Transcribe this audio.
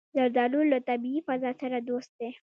زردالو له طبیعي فضا سره دوست دی.